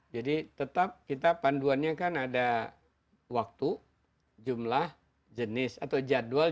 jadi tetap kita panduannya kan ada waktu jumlah jenis atau jadwal